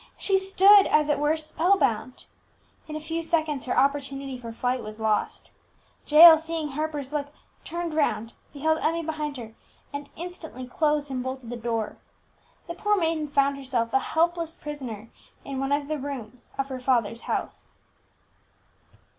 She stood, as it were, spell bound. In a few seconds her opportunity for flight was lost. Jael, seeing Harper's look, turned round, beheld Emmie behind her, and instantly closed and bolted the door. The poor maiden found herself a helpless prisoner in one of the rooms of her father's house.